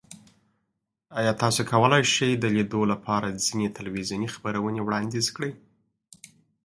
ایا تاسو کولی شئ د لیدو لپاره ځینې تلویزیوني خپرونې وړاندیز کړئ؟